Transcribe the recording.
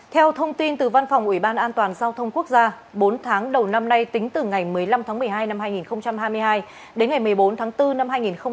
theo thông tin từ văn phòng ủy ban an toàn giao thông quốc gia bốn tháng đầu năm nay tính từ ngày một mươi năm tháng một mươi hai năm hai nghìn hai mươi hai đến ngày một mươi bốn tháng bốn năm hai nghìn hai mươi ba